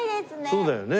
そうだよね。